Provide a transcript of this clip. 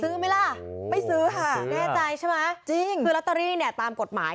ไหมล่ะไม่ซื้อค่ะแน่ใจใช่ไหมจริงคือลอตเตอรี่เนี่ยตามกฎหมาย